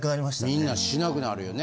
みんなしなくなるよね。